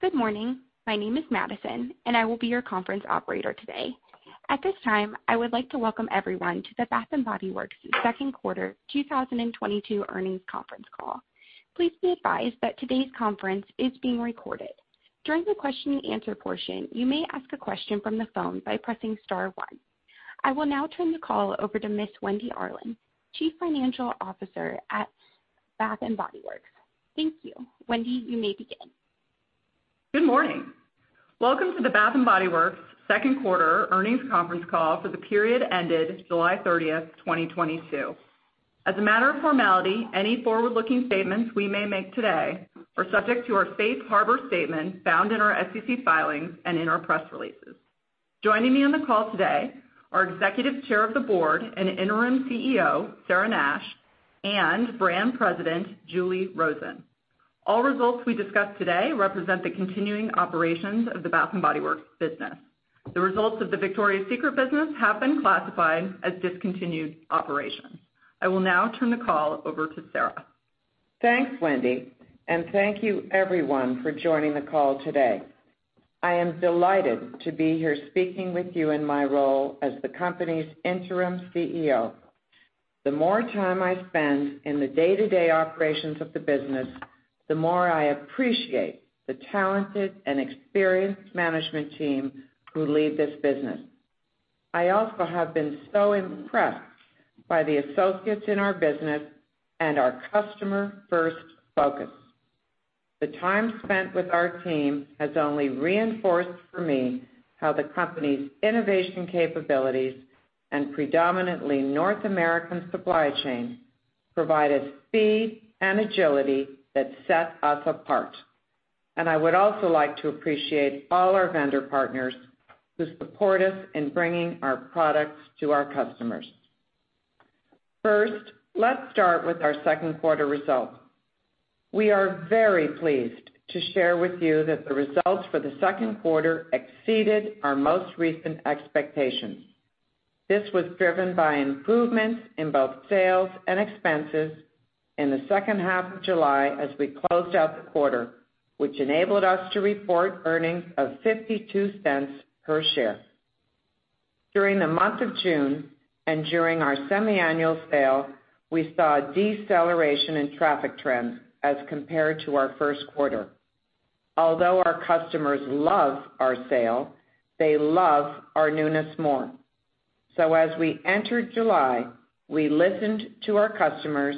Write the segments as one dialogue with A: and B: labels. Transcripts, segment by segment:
A: Good morning. My name is Madison, and I will be your conference operator today. At this time, I would like to welcome everyone to the Bath & Body Works Q2 2022 Earnings Conference Call. Please be advised that today's conference is being recorded. During the question and answer portion, you may ask a question from the phone by pressing star, one. I will now turn the call over to Ms. Wendy Arlin, Chief Financial Officer at Bath & Body Works. Thank you. Wendy, you may begin.
B: Good morning. Welcome to the Bath & Body Works Q2 Earnings Conference Call for the period ended July 30, 2022. As a matter of formality, any forward-looking statements we may make today are subject to our safe harbor statement found in our SEC filings and in our press releases. Joining me on the call today are Executive Chair of the Board and Interim CEO, Sarah Nash, and Brand President, Julie Rosen. All results we discuss today represent the continuing operations of the Bath & Body Works business. The results of the Victoria's Secret business have been classified as discontinued operations. I will now turn the call over to Sarah.
C: Thanks, Wendy, and thank you, everyone, for joining the call today. I am delighted to be here speaking with you in my role as the company's Interim CEO. The more time I spend in the day-to-day operations of the business, the more I appreciate the talented and experienced management team who lead this business. I also have been so impressed by the associates in our business and our customer-first focus. The time spent with our team has only reinforced for me how the company's innovation capabilities and predominantly North American supply chain provide a speed and agility that set us apart. I would also like to appreciate all our vendor partners who support us in bringing our products to our customers. First, let's start with our Q2 results. We are very pleased to share with you that the results for the Q2 exceeded our most recent expectations. This was driven by improvements in both sales and expenses in the second half of July as we closed out the quarter, which enabled us to report earnings of $0.52 per share. During the month of June and during our semi-annual sale, we saw a deceleration in traffic trends as compared to our Q1. Although our customers love our sale, they love our newness more. As we entered July, we listened to our customers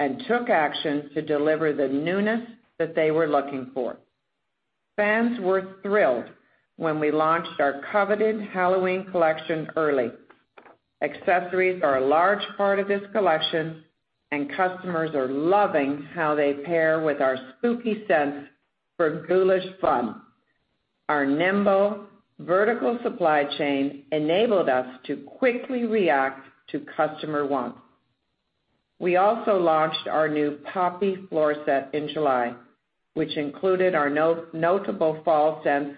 C: and took action to deliver the newness that they were looking for. Fans were thrilled when we launched our coveted Halloween collection early. Accessories are a large part of this collection, and customers are loving how they pair with our spooky scents for ghoulish fun. Our nimble vertical supply chain enabled us to quickly react to customer wants. We also launched our new Poppy floor set in July, which included our notable fall scents.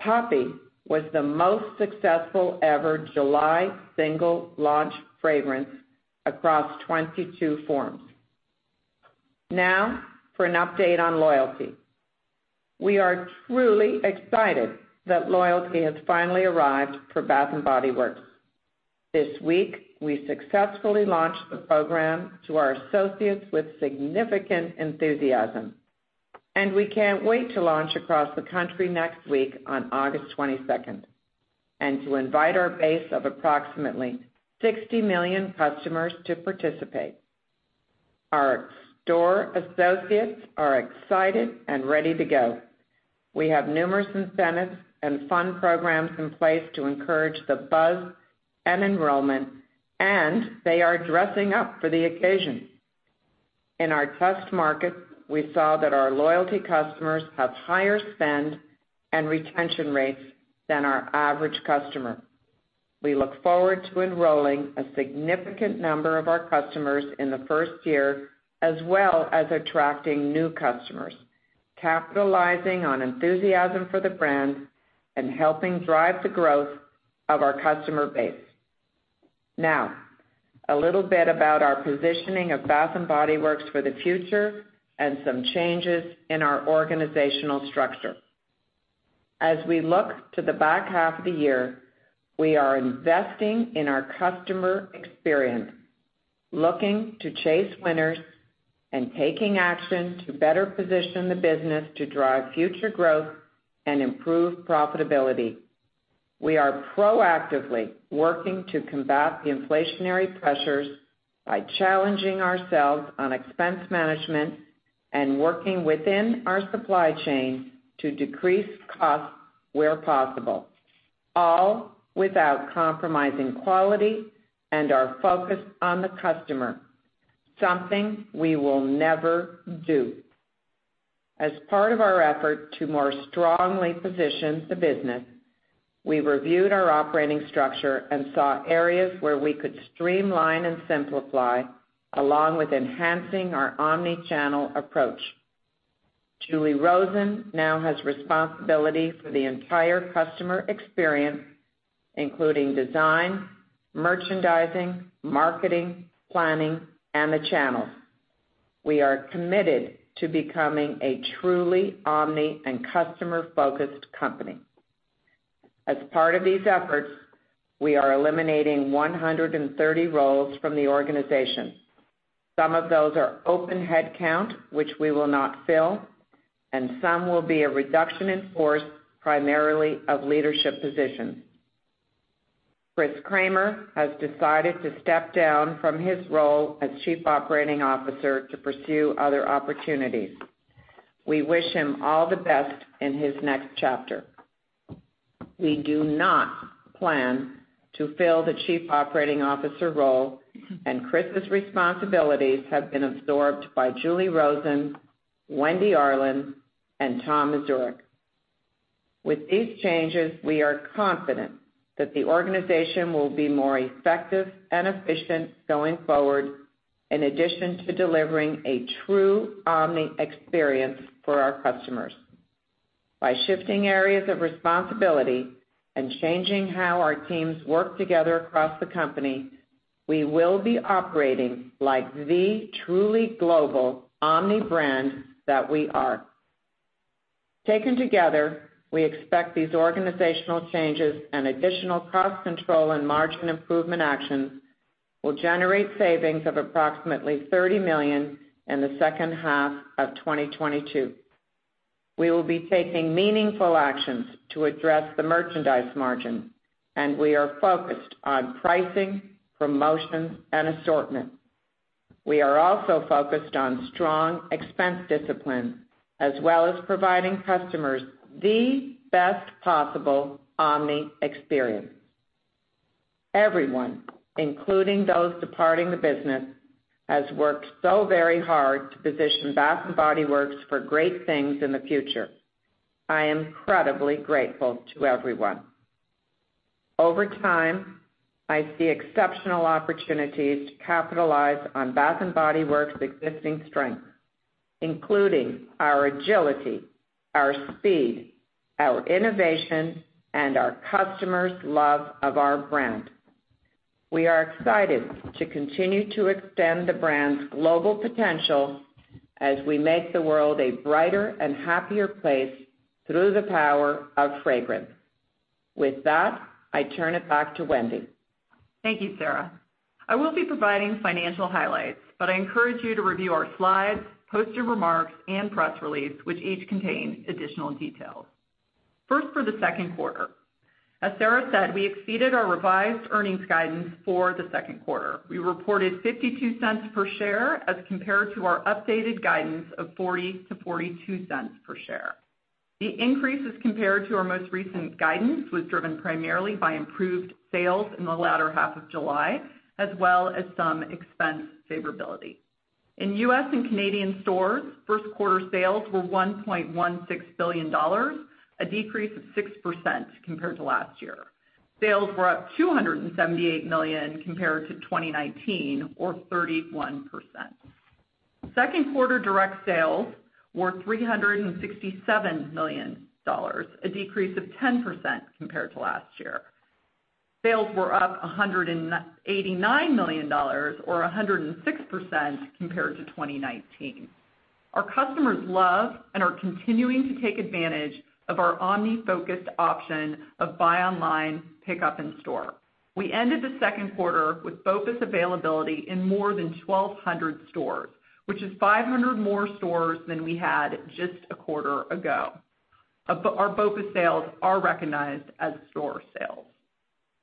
C: Poppy was the most successful ever July single launch fragrance across 22 forms. Now for an update on loyalty. We are truly excited that loyalty has finally arrived for Bath & Body Works. This week, we successfully launched the program to our associates with significant enthusiasm, and we can't wait to launch across the country next week on August 22nd and to invite our base of approximately 60 million customers to participate. Our store associates are excited and ready to go. We have numerous incentives and fun programs in place to encourage the buzz and enrollment, and they are dressing up for the occasion. In our test market, we saw that our loyalty customers have higher spend and retention rates than our average customer. We look forward to enrolling a significant number of our customers in the first year, as well as attracting new customers, capitalizing on enthusiasm for the brand, and helping drive the growth of our customer base. Now, a little bit about our positioning of Bath & Body Works for the future and some changes in our organizational structure. As we look to the back half of the year, we are investing in our customer experience, looking to chase winners and taking action to better position the business to drive future growth and improve profitability. We are proactively working to combat the inflationary pressures by challenging ourselves on expense management and working within our supply chain to decrease costs where possible, all without compromising quality and our focus on the customer, something we will never do. As part of our effort to more strongly position the business, we reviewed our operating structure and saw areas where we could streamline and simplify along with enhancing our omni-channel approach. Julie Rosen now has responsibility for the entire customer experience, including design, merchandising, marketing, planning, and the channels. We are committed to becoming a truly omni and customer-focused company. As part of these efforts, we are eliminating 130 roles from the organization. Some of those are open headcount, which we will not fill, and some will be a reduction in force, primarily of leadership positions. Chris Cramer has decided to step down from his role as Chief Operating Officer to pursue other opportunities. We wish him all the best in his next chapter. We do not plan to fill the chief operating officer role, and Chris's responsibilities have been absorbed by Julie Rosen, Wendy Arlin, and Tom Mazurek. With these changes, we are confident that the organization will be more effective and efficient going forward, in addition to delivering a true omni experience for our customers. By shifting areas of responsibility and changing how our teams work together across the company, we will be operating like the truly global omni brand that we are. Taken together, we expect these organizational changes and additional cost control and margin improvement actions will generate savings of approximately $30 million in the second half of 2022. We will be taking meaningful actions to address the merchandise margin, and we are focused on pricing, promotions, and assortment. We are also focused on strong expense discipline, as well as providing customers the best possible omni experience. Everyone, including those departing the business, has worked so very hard to position Bath & Body Works for great things in the future. I am incredibly grateful to everyone. Over time, I see exceptional opportunities to capitalize on Bath & Body Works' existing strengths, including our agility, our speed, our innovation, and our customers' love of our brand. We are excited to continue to extend the brand's global potential as we make the world a brighter and happier place through the power of fragrance. With that, I turn it back to Wendy.
B: Thank you, Sarah. I will be providing financial highlights, but I encourage you to review our slides, posted remarks, and press release, which each contain additional details. First, for the Q2. As Sarah said, we exceeded our revised earnings guidance for the Q2. We reported $0.52 per share as compared to our updated guidance of $0.40-$0.42 per share. The increases compared to our most recent guidance was driven primarily by improved sales in the latter half of July, as well as some expense favorability. In US and Canadian stores, Q2 sales were $1.16 billion, a decrease of 6% compared to last year. Sales were up $278 million compared to 2019, or 31%. Q2 direct sales were $367 million, a decrease of 10% compared to last year. Sales were up $189 million or 106% compared to 2019. Our customers love and are continuing to take advantage of our omni-focused option of buy online, pickup in store. We ended the Q2 with BOPUS availability in more than 1,200 stores, which is 500 more stores than we had just a quarter ago. Our BOPUS sales are recognized as store sales.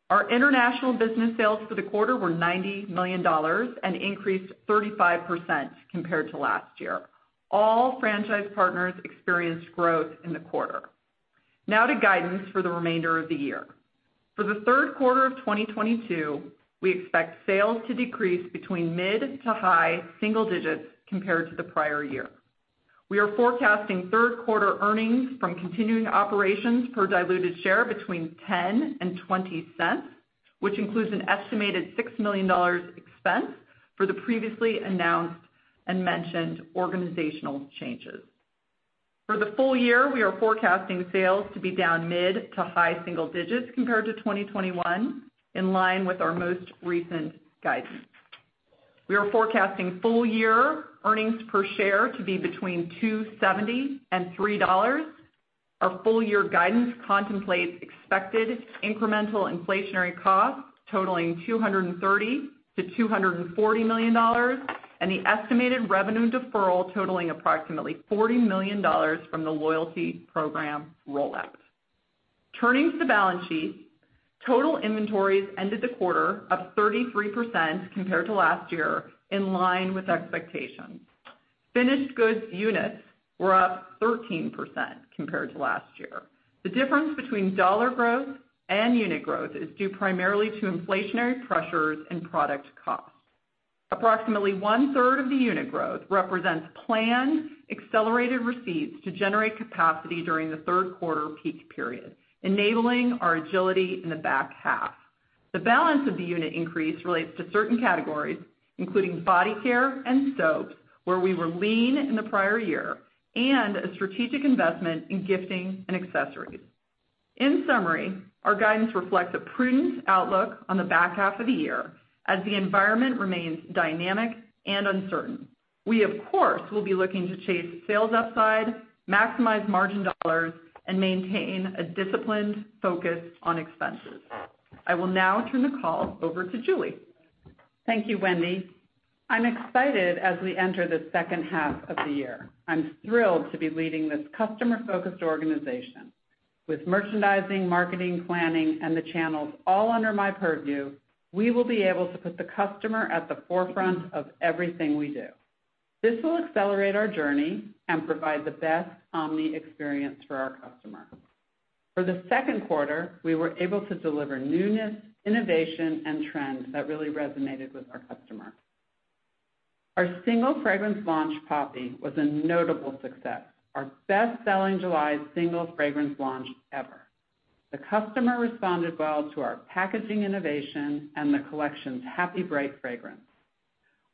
B: Our international business sales for the quarter were $90 million and increased 35% compared to last year. All franchise partners experienced growth in the quarter. Now to guidance for the remainder of the year. For the Q3 of 2022, we expect sales to decrease between mid- to high-single digits compared to the prior year. We are forecasting Q3 earnings from continuing operations per diluted share between $0.10 and $0.20, which includes an estimated $6 million expense for the previously announced and mentioned organizational changes. For the full year, we are forecasting sales to be down mid- to high-single digits% compared to 2021, in line with our most recent guidance. We are forecasting full year EPS to be between $2.70 and $3. Our full year guidance contemplates expected incremental inflationary costs totaling $230 million-$240 million and the estimated revenue deferral totaling approximately $40 million from the loyalty program rollout. Turning to the balance sheet, total inventories ended the quarter up 33% compared to last year, in line with expectations. Finished goods units were up 13% compared to last year. The difference between dollar growth and unit growth is due primarily to inflationary pressures and product cost. Approximately 1/3 of the unit growth represents planned, accelerated receipts to generate capacity during the Q3 peak period, enabling our agility in the back half. The balance of the unit increase relates to certain categories, including body care and soaps, where we were lean in the prior year, and a strategic investment in gifting and accessories. In summary, our guidance reflects a prudent outlook on the back half of the year as the environment remains dynamic and uncertain. We, of course, will be looking to chase sales upside, maximize margin dollars and maintain a disciplined focus on expenses. I will now turn the call over to Julie.
D: Thank you, Wendy. I'm excited as we enter the second half of the year. I'm thrilled to be leading this customer-focused organization. With merchandising, marketing, planning and the channels all under my purview, we will be able to put the customer at the forefront of everything we do. This will accelerate our journey and provide the best omni experience for our customer. For the Q2, we were able to deliver newness, innovation and trends that really resonated with our customer. Our single fragrance launch, Poppy, was a notable success, our best-selling July single fragrance launch ever. The customer responded well to our packaging innovation and the collection's happy, bright fragrance.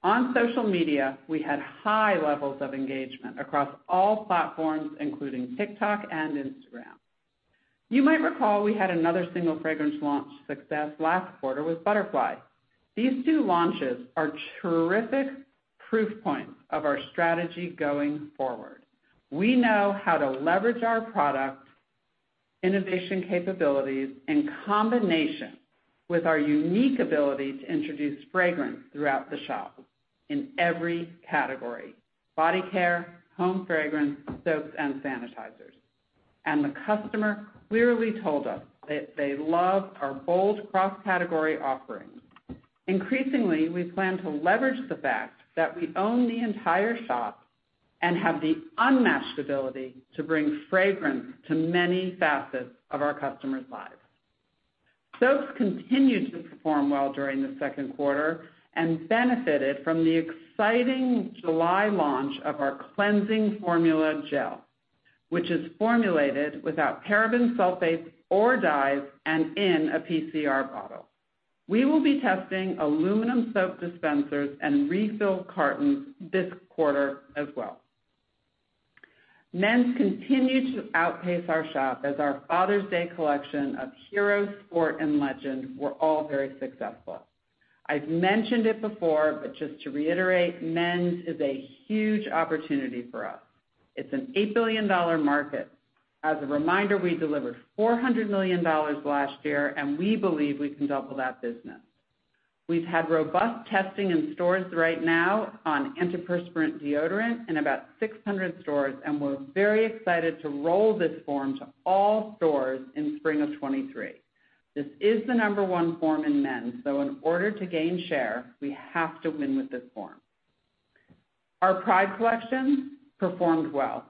D: On social media, we had high levels of engagement across all platforms, including TikTok and Instagram.You might recall we had another single fragrance launch success last quarter with Butterfly. These two launches are terrific proof points of our strategy going forward. We know how to leverage our product innovation capabilities in combination with our unique ability to introduce fragrance throughout the shop in every category, body care, home fragrance, soaps and sanitizers. The customer clearly told us that they love our bold cross-category offerings. Increasingly, we plan to leverage the fact that we own the entire shop and have the unmatched ability to bring fragrance to many facets of our customers' lives. Soaps continued to perform well during the Q2 and benefited from the exciting July launch of our cleansing formula gel, which is formulated without paraben sulfates or dyes and in a PCR bottle. We will be testing aluminum soap dispensers and refill cartons this quarter as well. Men's continued to outpace our shop as our Father's Day collection of Hero, Sport, and Legend were all very successful. I've mentioned it before, but just to reiterate, men's is a huge opportunity for us. It's an $8 billion market. As a reminder, we delivered $400 million last year, and we believe we can double that business. We've had robust testing in stores right now on antiperspirant deodorant in about 600 stores, and we're very excited to roll this form to all stores in spring of 2023. This is the number one form in men's, so in order to gain share, we have to win with this form. Our Pride collection performed well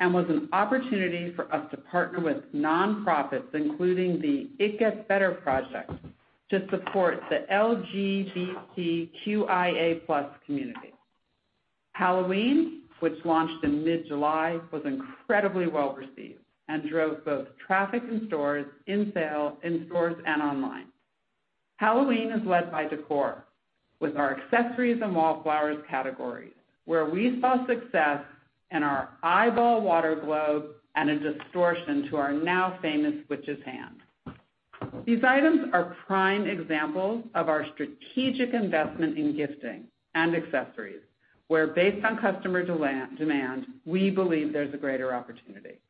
D: and was an opportunity for us to partner with nonprofits, including the It Gets Better Project to support the LGBTQIA+ community. Halloween, which launched in mid-July, was incredibly well-received and drove both traffic in stores and sales in stores and online. Halloween is led by decor with our accessories and Wallflowers categories, where we saw success in our eyeball water globe and an addition to our now famous witch's hand. These items are prime examples of our strategic investment in gifting and accessories, where based on customer demand, we believe there's a greater opportunity.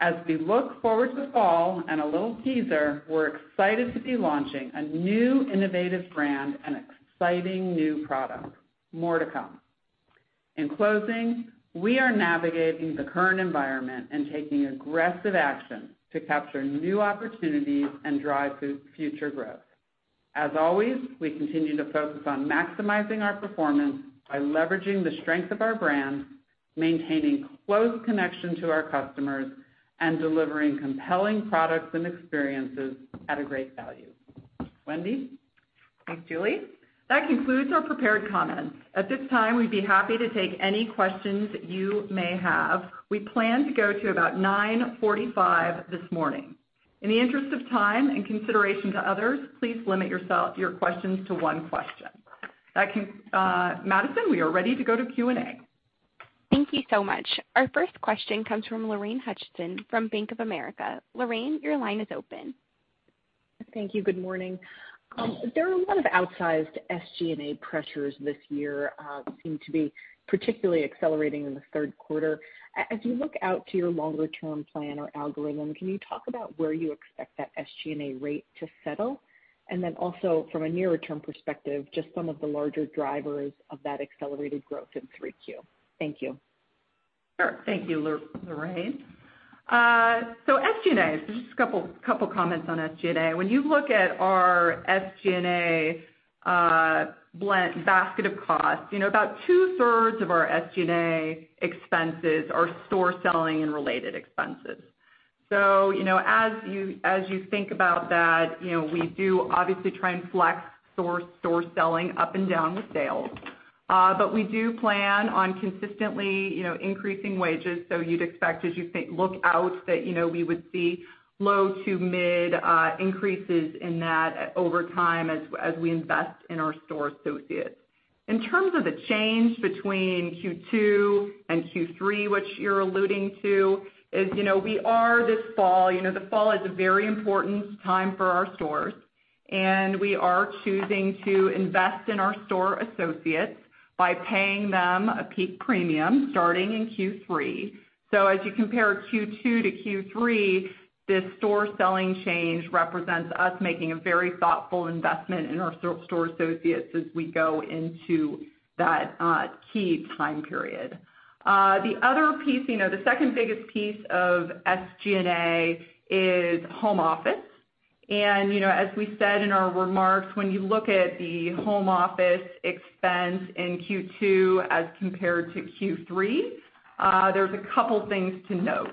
D: As we look forward to fall and a little teaser, we're excited to be launching a new innovative brand and exciting new product. More to come. In closing, we are navigating the current environment and taking aggressive action to capture new opportunities and drive future growth. As always, we continue to focus on maximizing our performance by leveraging the strength of our brands, maintaining close connection to our customers, and delivering compelling products and experiences at a great value. Wendy?
B: Thanks, Julie. That concludes our prepared comments. At this time, we'd be happy to take any questions you may have. We plan to go to about 9:45 A.M. this morning. In the interest of time and consideration to others, please limit your questions to one question. Madison, we are ready to go to Q&A.
A: Thank you so much. Our first question comes from Lorraine Hutchinson from Bank of America. Lorraine, your line is open.
E: Thank you. Good morning. There are a lot of outsized SG&A pressures this year, seem to be particularly accelerating in the Q3. As you look out to your longer-term plan or algorithm, can you talk about where you expect that SG&A rate to settle? Then also from a nearer-term perspective, just some of the larger drivers of that accelerated growth in Q3. Thank you.
B: Sure. Thank you, Lorraine. SG&A, just a couple comments on SG&A. When you look at our SG&A, basket of costs, you know, about 2/3 of our SG&A expenses are store selling and related expenses. You know, as you think about that, you know, we do obviously try and flex store selling up and down with sales, but we do plan on consistently, you know, increasing wages. You'd expect as you think ahead, that, you know, we would see low to mid increases in that over time as we invest in our store associates. In terms of the change between Q2 and Q3, which you're alluding to, is, you know, we are this fall, you know, the fall is a very important time for our stores, and we are choosing to invest in our store associates by paying them a peak premium starting in Q3. As you compare Q2 to Q3, this store selling change represents us making a very thoughtful investment in our store associates as we go into that key time period. The other piece, you know, the second-biggest piece of SG&A is home office. You know, as we said in our remarks, when you look at the home office expense in Q2 as compared to Q3, there's a couple things to note.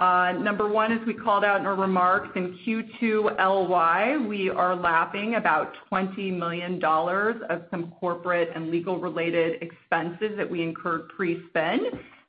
B: Number one, as we called out in our remarks, in Q2 LY, we are lapping about $20 million of some corporate and legal related expenses that we incurred pre-spin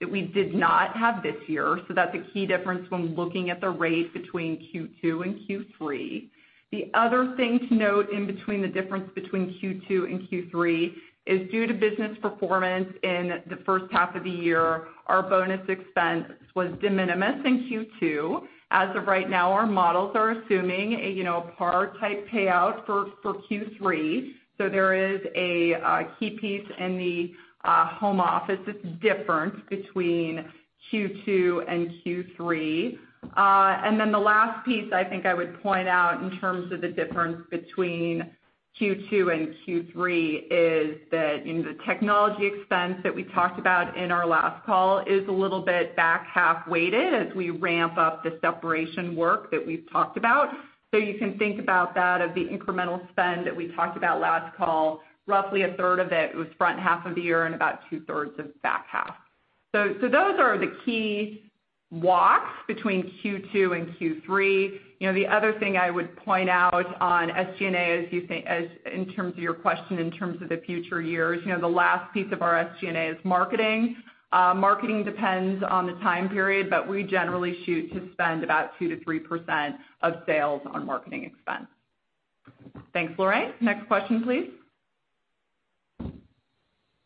B: that we did not have this year. That's a key difference when looking at the rate between Q2 and Q3. The other thing to note in between the difference between Q2 and Q3 is due to business performance in the first half of the year, our bonus expense was de minimis in Q2. As of right now, our models are assuming a, you know, par type payout for Q3. There is a key piece in the home office that's different between Q2 and Q3. The last piece I think I would point out in terms of the difference between Q2 and Q3 is that in the technology expense that we talked about in our last call is a little bit back half weighted as we ramp up the separation work that we've talked about. You can think about that of the incremental spend that we talked about last call, roughly a third of it was front half of the year and about 2/3 of it was back half. So those are the key walks between Q2 and Q3. You know, the other thing I would point out on SG&A, as you say, as in terms of your question, in terms of the future years, you know, the last piece of our SG&A is marketing. Marketing depends on the time period, but we generally shoot to spend about 2%-3% of sales on marketing expense. Thanks, Lorraine. Next question, please.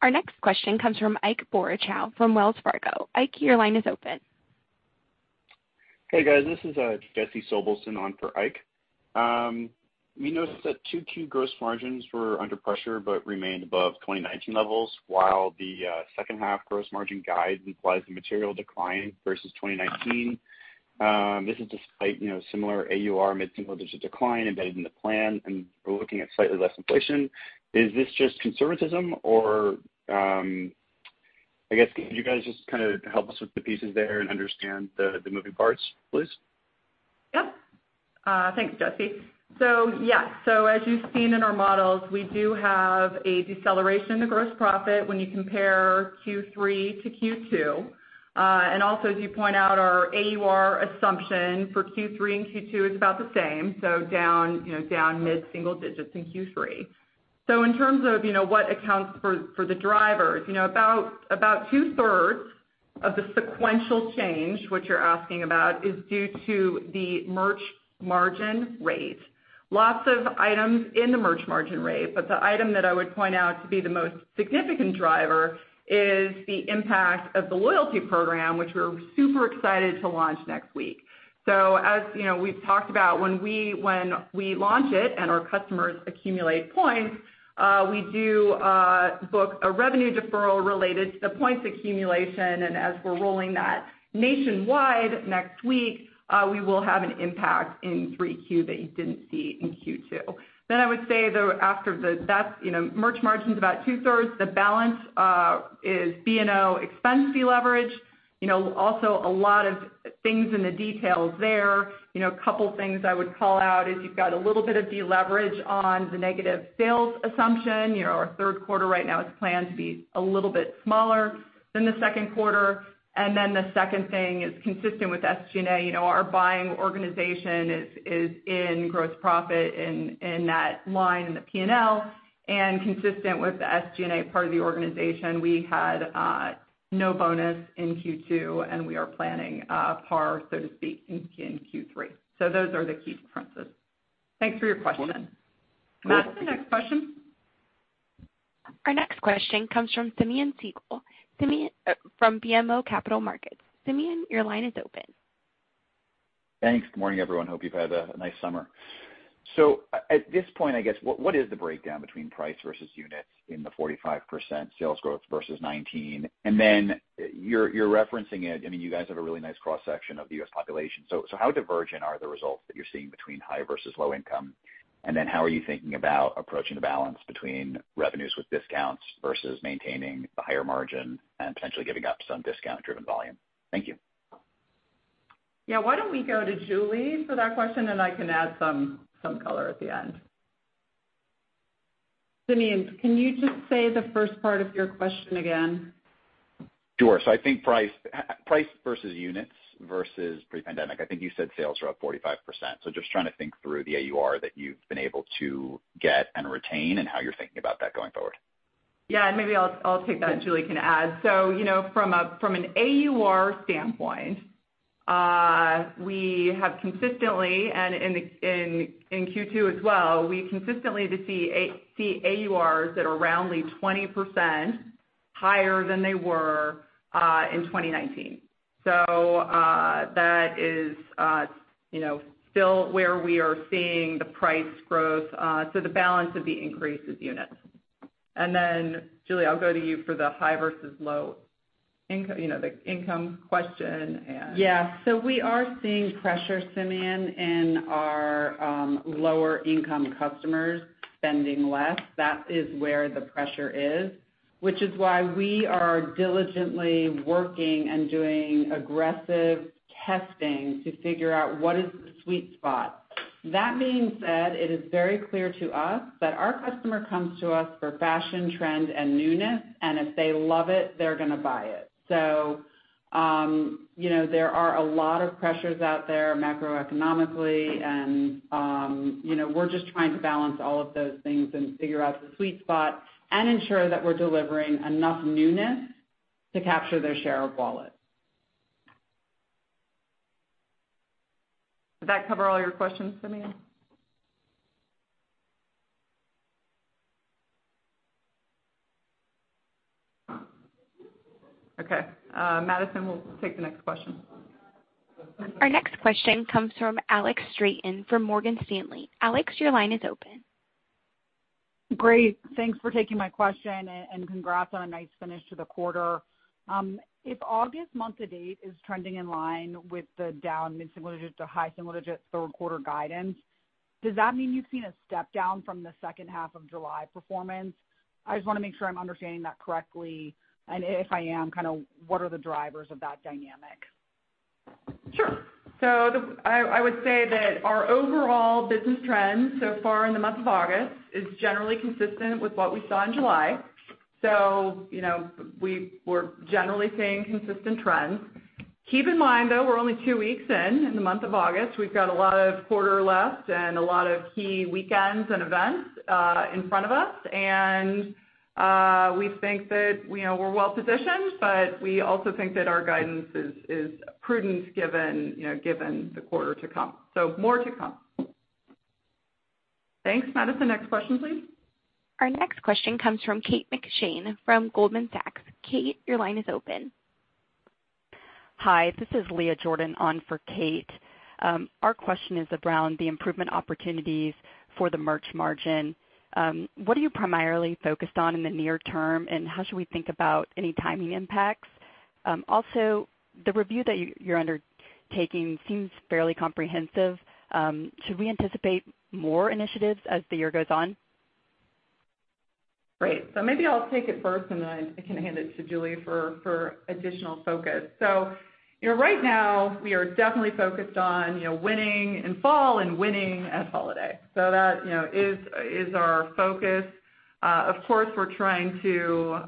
A: Our next question comes from Ike Boruchow from Wells Fargo. Ike, your line is open.
F: Hey, guys. This is Jesse Sobelson on for Ike. We noticed that Q2 gross margins were under pressure but remained above 2019 levels, while the second half gross margin guide implies a material decline versus 2019. This is despite, you know, similar AUR mid-single-digit decline embedded in the plan, and we're looking at slightly less inflation. Is this just conservatism or, I guess, can you guys just kinda help us with the pieces there and understand the moving parts, please?
B: Yep. Thanks, Jesse. Yeah. As you've seen in our models, we do have a deceleration to gross profit when you compare Q3 to Q2. Also, as you point out, our AUR assumption for Q3 and Q2 is about the same, so down, you know, down mid-single digits in Q3. In terms of, you know, what accounts for the drivers, you know, about 2/3 of the sequential change, which you're asking about, is due to the merch margin rate. Lots of items in the merch margin rate, but the item that I would point out to be the most significant driver is the impact of the loyalty program, which we're super excited to launch next week. As you know, we've talked about when we launch it and our customers accumulate points, we do book a revenue deferral related to the points accumulation. As we're rolling that nationwide next week, we will have an impact in Q3 that you didn't see in Q2. I would say, though, that's you know, merch margin's about 2/3. The balance is B&O expense deleverage. You know, also a lot of things in the details there. You know, a couple things I would call out is you've got a little bit of deleverage on the negative sales assumption. You know, our Q3 right now is planned to be a little bit smaller than the Q2. The second thing is consistent with SG&A. You know, our buying organization is in gross profit in that line in the P&L. Consistent with the SG&A part of the organization, we had no bonus in Q2, and we are planning par, so to speak, in Q3. Those are the key differences. Thanks for your question. Madison, the next question.
A: Our next question comes from Simeon Siegel. Simeon, from BMO Capital Markets. Simeon, your line is open.
G: Thanks. Good morning, everyone. Hope you've had a nice summer. At this point, I guess, what is the breakdown between price versus units in the 45% sales growth versus 2019? And then you're referencing it. I mean, you guys have a really nice cross-section of the US population. How divergent are the results that you're seeing between high versus low income? And then how are you thinking about approaching the balance between revenues with discounts versus maintaining the higher margin and potentially giving up some discount-driven volume? Thank you.
B: Yeah. Why don't we go to Julie for that question, and I can add some color at the end.
D: Simeon, can you just say the first part of your question again?
G: Sure. I think price versus units versus pre-pandemic, I think you said sales were up 45%. Just trying to think through the AUR that you've been able to get and retain and how you're thinking about that going forward.
B: Yeah. Maybe I'll take that, and Julie can add. You know, from an AUR standpoint, we have consistently, and in Q2 as well, we consistently see AURs that are roundly 20% higher than they were in 2019. That is, you know, still where we are seeing the price growth. The balance of the increase is units. Then Julie, I'll go to you for the high versus low income, you know, the income question and.
D: Yeah. We are seeing pressure, Simeon, in our lower income customers spending less. That is where the pressure is, which is why we are diligently working and doing aggressive testing to figure out what is the sweet spot. That being said, it is very clear to us that our customer comes to us for fashion, trend, and newness, and if they love it, they're gonna buy it. You know, there are a lot of pressures out there macroeconomically and, you know, we're just trying to balance all of those things and figure out the sweet spot and ensure that we're delivering enough newness to capture their share of wallet.
B: Did that cover all your questions, Simeon? Okay. Madison, we'll take the next question.
A: Our next question comes from Alex Straton from Morgan Stanley. Alex, your line is open.
H: Great. Thanks for taking my question, and congrats on a nice finish to the quarter. If August month to date is trending in line with the down mid-single-digit to high single-digit Q3 guidance, does that mean you've seen a step down from the second half of July performance? I just wanna make sure I'm understanding that correctly. If I am, kinda what are the drivers of that dynamic?
B: Sure. I would say that our overall business trends so far in the month of August is generally consistent with what we saw in July. You know, we're generally seeing consistent trends. Keep in mind, though, we're only two weeks in the month of August. We've got a lot of quarter left and a lot of key weekends and events in front of us. We think that, you know, we're well positioned, but we also think that our guidance is prudent given you know the quarter to come. More to come. Thanks, Madison. Next question, please.
A: Our next question comes from Kate McShane from Goldman Sachs. Kate, your line is open.
I: Hi, this is Leah Jordan on for Kate McShane. Our question is around the improvement opportunities for the merch margin. What are you primarily focused on in the near term, and how should we think about any timing impacts? Also, the review that you're undertaking seems fairly comprehensive. Should we anticipate more initiatives as the year goes on?
B: Great. Maybe I'll take it first, and then I can hand it to Julie for additional focus. You know, right now we are definitely focused on, you know, winning in fall and winning at holiday. That, you know, is our focus. Of course, we're trying to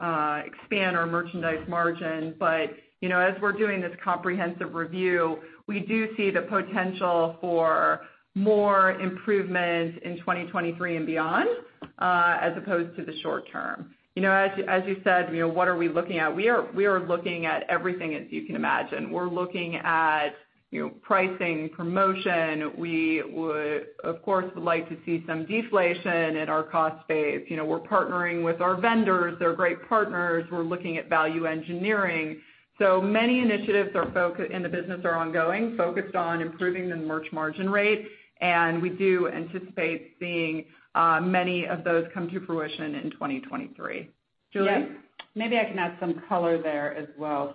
B: expand our merchandise margin, but, you know, as we're doing this comprehensive review, we do see the potential for more improvement in 2023 and beyond, as opposed to the short term. You know, as you said, you know, what are we looking at? We are looking at everything, as you can imagine. We're looking at, you know, pricing, promotion. We would, of course, like to see some deflation in our cost base. You know, we're partnering with our vendors. They're great partners. We're looking at value engineering. Many initiatives in the business are ongoing, focused on improving the merch margin rate, and we do anticipate seeing many of those come to fruition in 2023. Julie?
D: Yes. Maybe I can add some color there as well.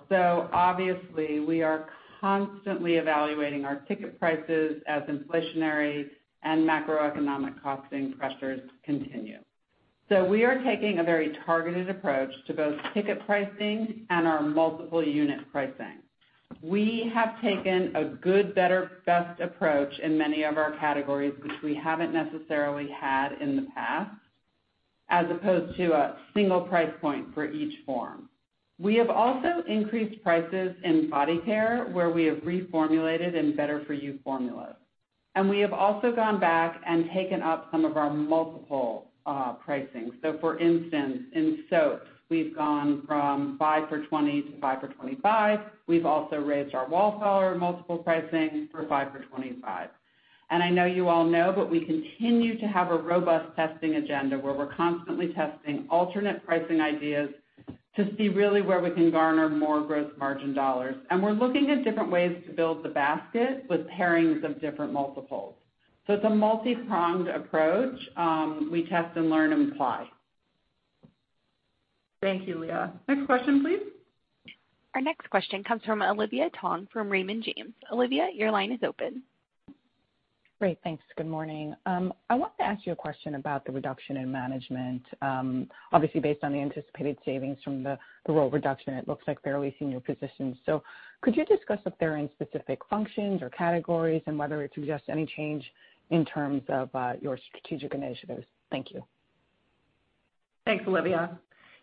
D: Obviously, we are constantly evaluating our ticket prices as inflationary and macroeconomic costing pressures continue. We are taking a very targeted approach to both ticket pricing and our multiple unit pricing. We have taken a good, better, best approach in many of our categories, which we haven't necessarily had in the past, as opposed to a single price point for each form. We have also increased prices in body care, where we have reformulated in better for you formulas. We have also gone back and taken up some of our multiple pricing. For instance, in soaps, we've gone from 5 for $20 to 5 for $25. We've also raised our Wallflower multiple pricing for 5 for $25. I know you all know, but we continue to have a robust testing agenda where we're constantly testing alternate pricing ideas to see really where we can garner more gross margin dollars. We're looking at different ways to build the basket with pairings of different multiples. It's a multi-pronged approach, we test and learn and apply.
B: Thank you, Leah. Next question, please.
A: Our next question comes from Olivia Tong from Raymond James. Olivia, your line is open.
J: Great. Thanks. Good morning. I wanted to ask you a question about the reduction in management. Obviously, based on the anticipated savings from the role reduction, it looks like they're only senior positions. Could you discuss if they're in specific functions or categories and whether it suggests any change in terms of your strategic initiatives? Thank you.
B: Thanks, Olivia.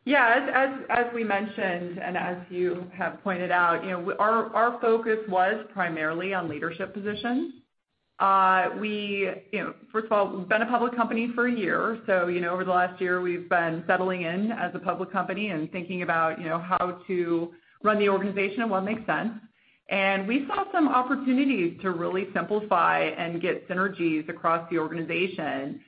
B: Yeah, as we mentioned, and as you have pointed out, you know, our focus was primarily on leadership positions. We, you know, first of all, we've been a public company for a year, so, you know, over the last year we've been settling in as a public company and thinking about, you know, how to run the organization and what makes sense. We saw some opportunities to really simplify and get synergies across the organization,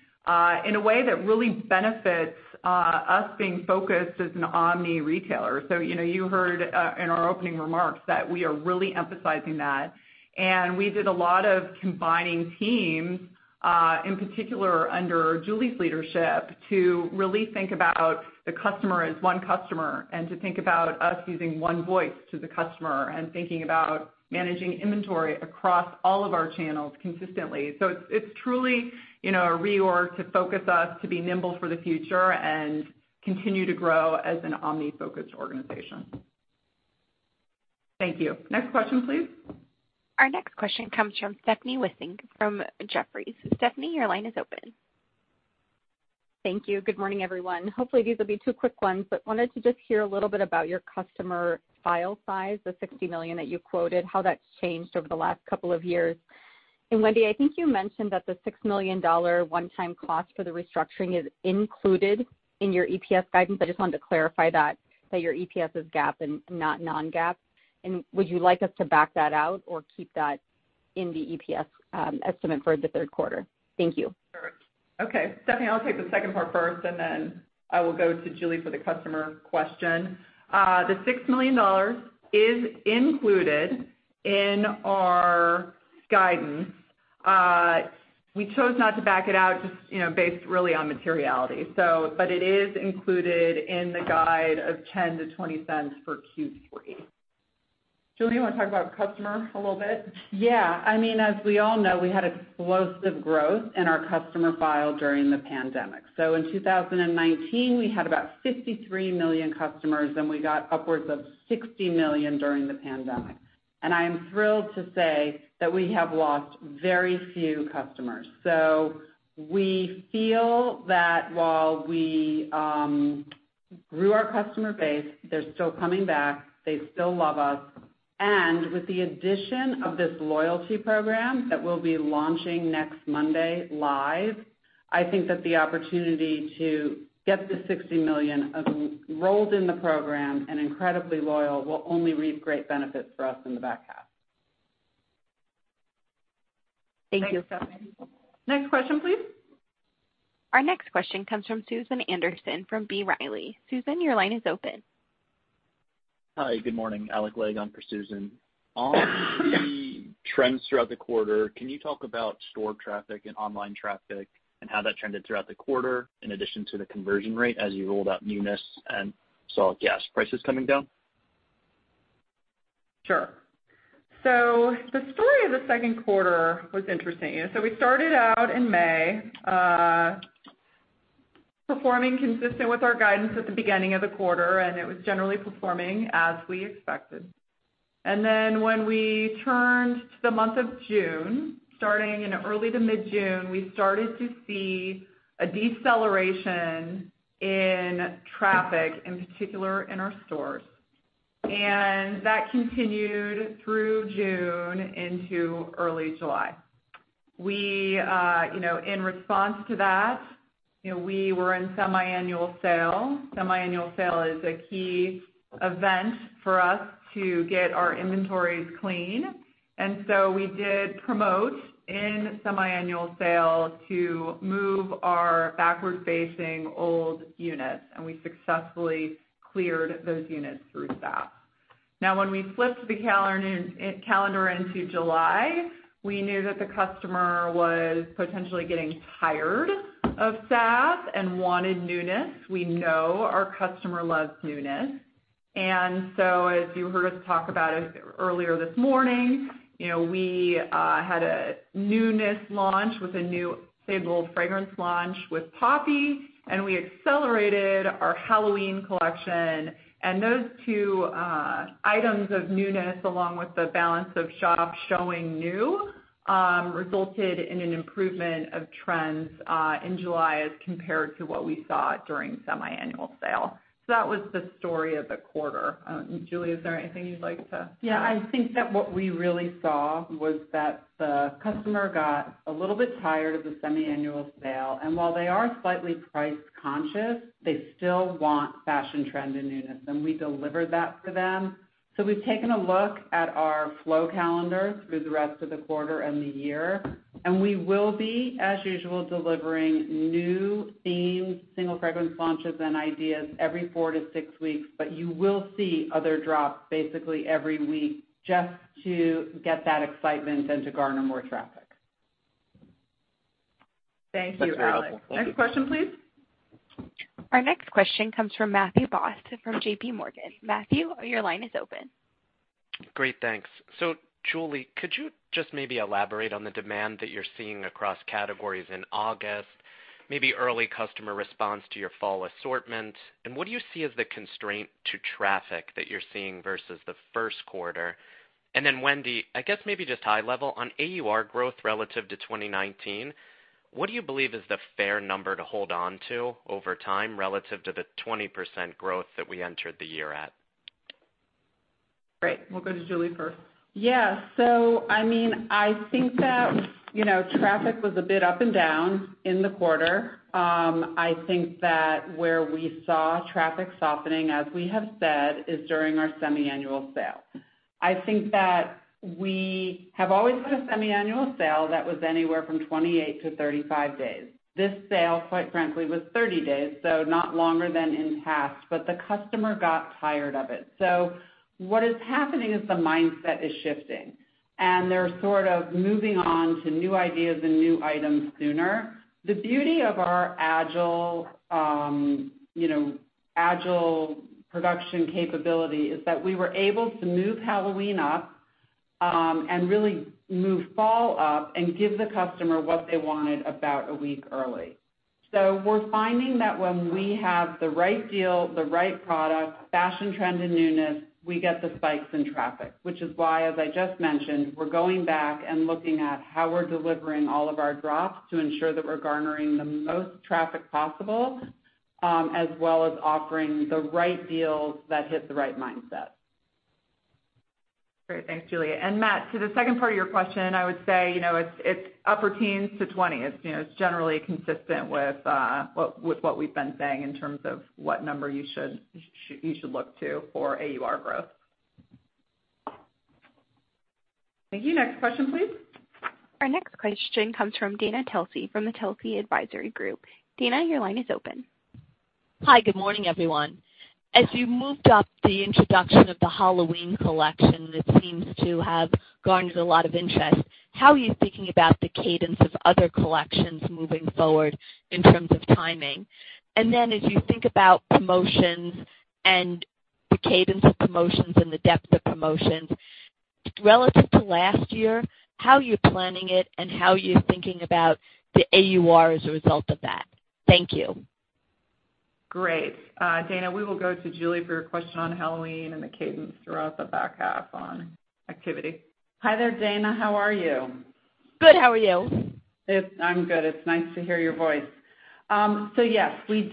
B: in a way that really benefits us being focused as an omni-retailer. You know, you heard in our opening remarks that we are really emphasizing that. We did a lot of combining teams, in particular under Julie's leadership, to really think about the customer as one customer and to think about us using one voice to the customer and thinking about managing inventory across all of our channels consistently. It's truly, you know, a reorg to focus us to be nimble for the future and continue to grow as an omni-focused organization. Thank you. Next question, please.
A: Our next question comes from Stephanie Wissink from Jefferies. Stephanie, your line is open.
K: Thank you. Good morning, everyone. Hopefully, these will be two quick ones, but wanted to just hear a little bit about your customer file size, the 60 million that you quoted, how that's changed over the last couple of years. Wendy, I think you mentioned that the $6 million one-time cost for the restructuring is included in your EPS guidance. I just wanted to clarify that your EPS is GAAP and not non-GAAP. Would you like us to back that out or keep that in the EPS estimate for the Q3? Thank you.
B: Sure. Okay. Stephanie, I'll take the second part first, and then I will go to Julie for the customer question. The $6 million is included in our guidance. We chose not to back it out just, you know, based really on materiality. It is included in the guidance of $0.10-$0.20 for Q3. Julie, you wanna talk about customers a little bit?
D: Yeah. I mean, as we all know, we had explosive growth in our customer file during the pandemic. In 2019, we had about 53 million customers, then we got upwards of 60 million during the pandemic. I am thrilled to say that we have lost very few customers. We feel that while we grew our customer base, they're still coming back, they still love us. With the addition of this loyalty program that we'll be launching next Monday live, I think that the opportunity to get the 60 million enrolled in the program and incredibly loyal will only reap great benefits for us in the back half.
K: Thank you.
B: Thanks, Stephanie. Next question, please.
A: Our next question comes from Susan Anderson from B. Riley. Susan, your line is open.
L: Hi, good morning. Alec Legg for Susan. On the trends throughout the quarter, can you talk about store traffic and online traffic and how that trended throughout the quarter in addition to the conversion rate as you rolled out newness and saw gas prices coming down?
B: Sure. The story of the Q2 was interesting. We started out in May, performing consistent with our guidance at the beginning of the quarter, and it was generally performing as we expected. When we turned to the month of June, starting in early to mid-June, we started to see a deceleration in traffic, in particular in our stores. That continued through June into early July. You know, in response to that, you know, we were in semi-annual sale. Semi-annual sale is a key event for us to get our inventories clean. We did promote in semi-annual sale to move our backward-facing old units, and we successfully cleared those units through that. Now, when we flipped the calendar into July, we knew that the customer was potentially getting tired of that and wanted newness. We know our customer loves newness. As you heard us talk about it earlier this morning, you know, we had a newness launch with a new staple fragrance launch with Poppy, and we accelerated our Halloween collection. Those two items of newness, along with the balance of shop showing new, resulted in an improvement of trends in July as compared to what we saw during semiannual sale. That was the story of the quarter. Julie, is there anything you'd like to.
D: Yeah, I think that what we really saw was that the customer got a little bit tired of the semiannual sale, and while they are slightly price-conscious, they still want fashion trend and newness, and we delivered that for them. We've taken a look at our flow calendar through the rest of the quarter and the year, and we will be, as usual, delivering new themes, single fragrance launches, and ideas every four to six weeks, but you will see other drops basically every week just to get that excitement and to garner more traffic.
B: Thank you, Alec.
L: That's very helpful. Thank you.
B: Next question, please.
A: Our next question comes from Matthew Boss from JPMorgan. Matthew, your line is open.
M: Great, thanks. Julie, could you just maybe elaborate on the demand that you're seeing across categories in August, maybe early customer response to your fall assortment, and what do you see as the constraint to traffic that you're seeing versus the Q1? Wendy, I guess maybe just high level, on AUR growth relative to 2019, what do you believe is the fair number to hold on to over time relative to the 20% growth that we entered the year at?
B: Great. We'll go to Julie first.
D: Yeah. I mean, I think that, you know, traffic was a bit up and down in the quarter. I think that where we saw traffic softening, as we have said, is during our semiannual sale. I think that we have always had a semiannual sale that was anywhere from 28 to 35 days. This sale, quite frankly, was 30 days, so not longer than in past, but the customer got tired of it. What is happening is the mindset is shifting, and they're sort of moving on to new ideas and new items sooner. The beauty of our agile production capability is that we were able to move Halloween up, and really move fall up and give the customer what they wanted about a week early. We're finding that when we have the right deal, the right product, fashion trend, and newness, we get the spikes in traffic, which is why, as I just mentioned, we're going back and looking at how we're delivering all of our drops to ensure that we're garnering the most traffic possible, as well as offering the right deals that hit the right mindset.
B: Great. Thanks, Julie. Matt, to the second part of your question, I would say, you know, it's upper teens to 20%. It's, you know, it's generally consistent with what we've been saying in terms of what number you should look to for AUR growth. Thank you. Next question, please.
A: Our next question comes from Dana Telsey from the Telsey Advisory Group. Dana, your line is open.
N: Hi, good morning, everyone. As you moved up the introduction of the Halloween collection that seems to have garnered a lot of interest, how are you thinking about the cadence of other collections moving forward in terms of timing? As you think about promotions and the cadence of promotions and the depth of promotions relative to last year, how are you planning it, and how are you thinking about the AUR as a result of that? Thank you.
B: Great. Dana, we will go to Julie for your question on Halloween and the cadence throughout the back half on activity.
D: Hi there, Dana. How are you?
N: Good. How are you?
D: I'm good. It's nice to hear your voice. Yes, we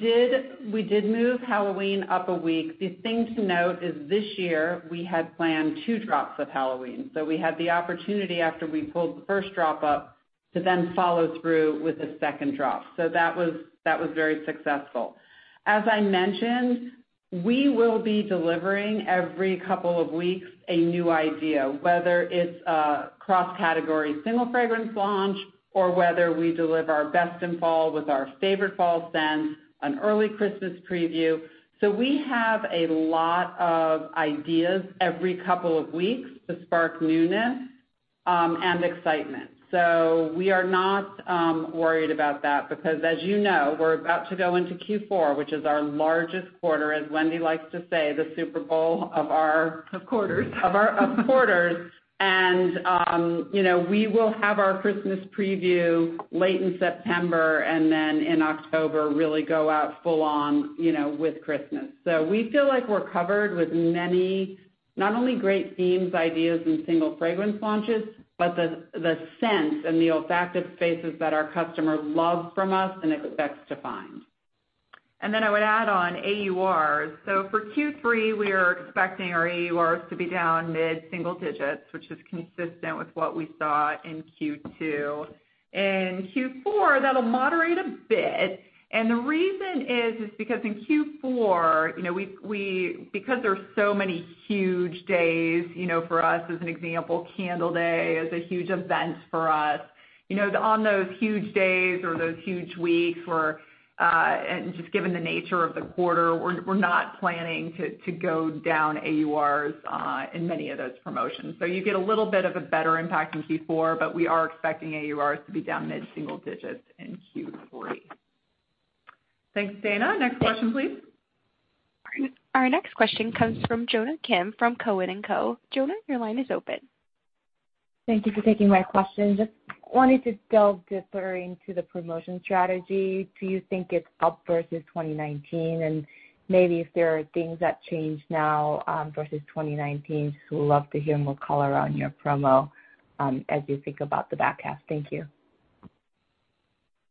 D: did move Halloween up a week. The thing to note is this year, we had planned two drops of Halloween. We had the opportunity after we pulled the first drop up to then follow through with a second drop. That was very successful. As I mentioned, we will be delivering every couple of weeks a new idea, whether it's a cross-category single fragrance launch or whether we deliver our best in fall with our favorite fall scents, an early Christmas preview. We have a lot of ideas every couple of weeks to spark newness and excitement. We are not worried about that because as you know, we're about to go into Q4, which is our largest quarter, as Wendy likes to say, the Super Bowl of our.
B: Of quarters.
D: Of quarters. You know, we will have our Christmas preview late in September, and then in October, really go out full on, you know, with Christmas. We feel like we're covered with many, not only great themes, ideas, and single fragrance launches, but the scents and the olfactive spaces that our customers love from us and expect to find.
B: Then I would add on AURs. For Q3, we are expecting our AURs to be down mid-single digits, which is consistent with what we saw in Q2. In Q4, that'll moderate a bit. The reason is because in Q4, you know, we've because there's so many huge days, you know, for us, as an example, Candle Day is a huge event for us. You know, on those huge days or those huge weeks where and just given the nature of the quarter, we're not planning to go down AURs in many of those promotions. You get a little bit of a better impact in Q4, but we are expecting AURs to be down mid-single digits in Q4. Thanks, Dana. Next question, please.
A: Our next question comes from Jonna Kim from Cowen and Company. Jonna, your line is open.
O: Thank you for taking my question. Just wanted to delve deeper into the promotion strategy. Do you think it's up versus 2019? Maybe if there are things that changed now, versus 2019, just would love to hear more color on your promo, as you think about the back half. Thank you.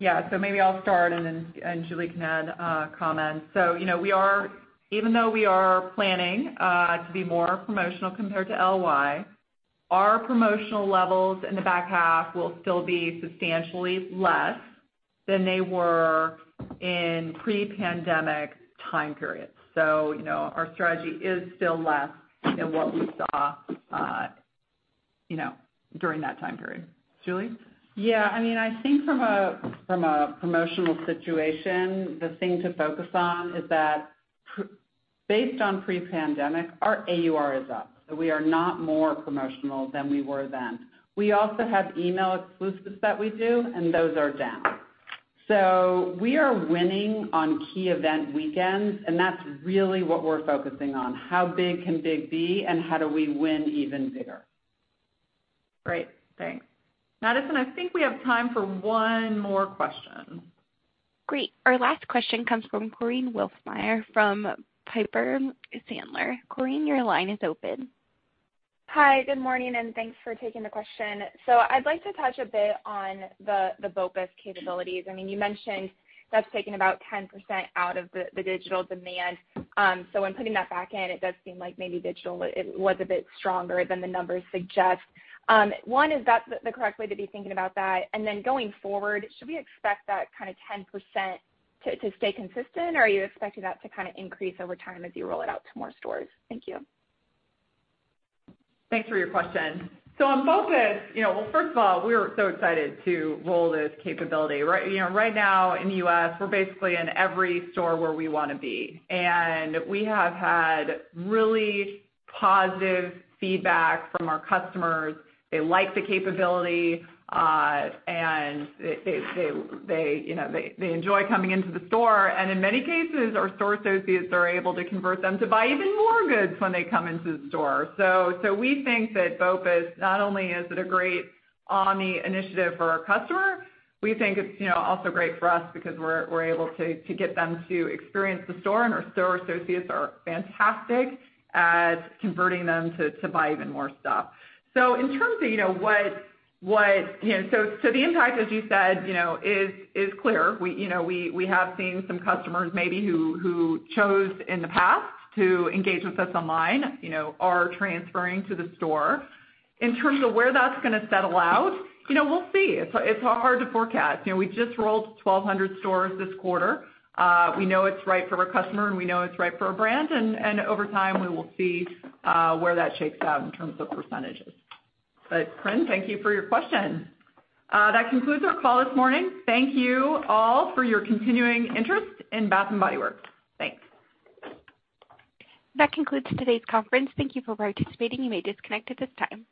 B: Yeah. Maybe I'll start and then Julie can add comment. You know, we are, even though we are planning to be more promotional compared to LY, our promotional levels in the back half will still be substantially less than they were in pre-pandemic time periods. You know, our strategy is still less than what we saw, you know, during that time period. Julie?
D: Yeah. I mean, I think from a promotional situation, the thing to focus on is that based on pre-pandemic, our AUR is up. We are not more promotional than we were then. We also have email exclusives that we do, and those are down. We are winning on key event weekends, and that's really what we're focusing on, how big can big be and how do we win even bigger.
O: Great. Thanks.
B: Madison, I think we have time for one more question.
A: Great. Our last question comes from Korinne Wolfmeyer from Piper Sandler. Korinne, your line is open.
P: Hi, good morning, and thanks for taking the question. I'd like to touch a bit on the BOPIS capabilities. I mean, you mentioned that's taken about 10% out of the digital demand. When putting that back in, it does seem like maybe digital, it was a bit stronger than the numbers suggest. One, is that the correct way to be thinking about that? Going forward, should we expect that kinda 10% to stay consistent, or are you expecting that to kinda increase over time as you roll it out to more stores? Thank you.
B: Thanks for your question. On BOPIS, you know, well, first of all, we're so excited to roll this capability. Right, you know, right now in the US, we're basically in every store where we wanna be. We have had really positive feedback from our customers. They like the capability, and they, you know, enjoy coming into the store. In many cases, our store associates are able to convert them to buy even more goods when they come into the store. We think that BOPIS, not only is it a great omni initiative for our customer, we think it's, you know, also great for us because we're able to get them to experience the store, and our store associates are fantastic at converting them to buy even more stuff. In terms of, you know, what You know, the impact, as you said, you know, is clear. We have seen some customers maybe who chose in the past to engage with us online, you know, are transferring to the store. In terms of where that's gonna settle out, you know, we'll see. It's hard to forecast. You know, we just rolled 1,200 stores this quarter. We know it's right for our customer, and we know it's right for our brand. Over time, we will see where that shakes out in terms of percentages. Korinne, thank you for your question. That concludes our call this morning. Thank you all for your continuing interest in Bath & Body Works. Thanks.
A: That concludes today's conference. Thank you for participating. You may disconnect at this time.